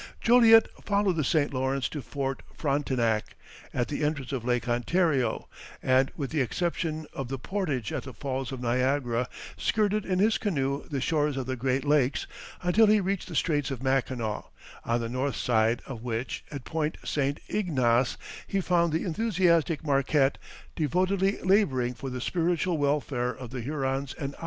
Joliet followed the St. Lawrence to Fort Frontenac, at the entrance of Lake Ontario, and with the exception of the portage at the Falls of Niagara, skirted in his canoe the shores of the Great Lakes until he reached the Straits of Mackinaw, on the north side of which, at Point St. Ignace, he found the enthusiastic Marquette devotedly laboring for the spiritual welfare of the Hurons and Ottawas there gathered.